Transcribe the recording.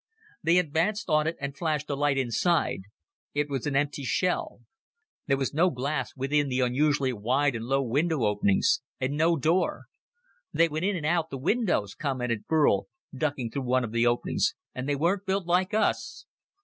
They advanced on it and flashed a light inside. It was an empty shell. There was no glass within the unusually wide and low window openings, and no door. "They went in and out the windows," commented Burl, ducking through one of the openings. "And they weren't built like us."